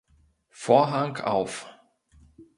Vorhang auf!